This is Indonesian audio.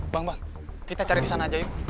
bang bang kita cari di sana aja ibu